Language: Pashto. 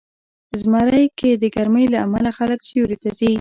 زمری کې د ګرمۍ له امله خلک سیوري ته ځي.